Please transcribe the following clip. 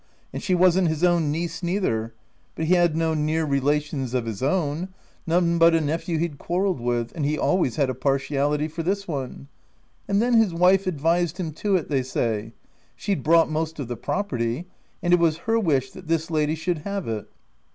And she wasn't his own niece neither ; but he had no near relations of his OF WILDFELL HALL. 307 own— none but a nephew he'd quarrelled with — and he always had a partiality for this one. And then his wife advised him to it, they say : she'd brought most of the property, and it was her wish that this lady should have it."